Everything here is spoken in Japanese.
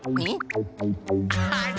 あれ？